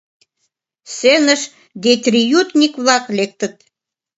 Сценыш детриютник-влак лектыт.